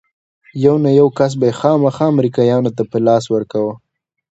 يو نه يو کس به يې خامخا امريکايانو ته په لاس ورکاوه.